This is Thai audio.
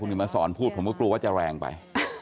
เห็นมาสอนพูดผมก็กลัวว่าจะแรงไป